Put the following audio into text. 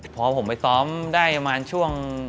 พอผมไปซ้อมได้ประมาณช่วง